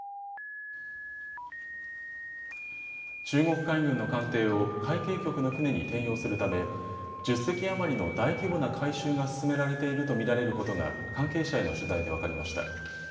中国海軍の艦艇を海警局の船に転用するため１０隻余りの大規模な改修が進められていると見られることが関係者への取材で分かりました。